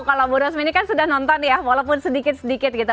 kalau bu rosmi ini sudah menonton walaupun sedikit sedikit